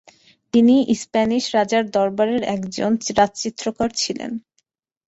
তিনি স্প্যানিশ রাজার দরবারের একজন রাজচিত্রকর ছিলেন।